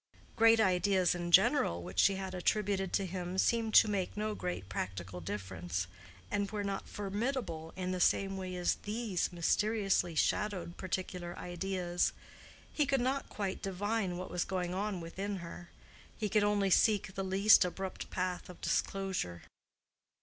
Great ideas in general which she had attributed to him seemed to make no great practical difference, and were not formidable in the same way as these mysteriously shadowed particular ideas. He could not quite divine what was going on within her; he could only seek the least abrupt path of disclosure.